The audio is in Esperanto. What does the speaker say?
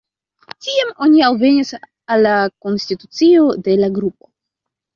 Tiam oni alvenis al la konstitucio de la grupo.